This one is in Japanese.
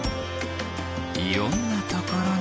いろんなところに。